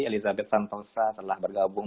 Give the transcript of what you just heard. elizabeth santosa telah bergabung